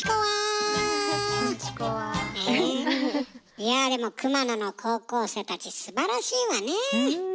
いやでも熊野の高校生たちすばらしいわね。